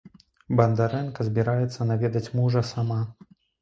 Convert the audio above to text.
Бандарэнка збіраецца наведаць мужа сама.